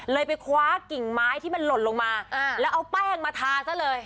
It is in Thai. ไปคว้ากิ่งไม้ที่มันหล่นลงมาแล้วเอาแป้งมาทาซะเลย